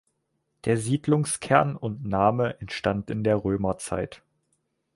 Der Siedlungskern und Name entstand in der Römerzeit.